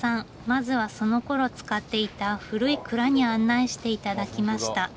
まずはそのころ使っていた古い蔵に案内して頂きました。